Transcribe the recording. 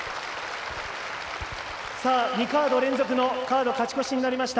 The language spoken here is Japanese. ２カード連続のカード勝ち越しになりました。